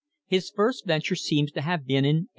His first venture seems to have been in 1873.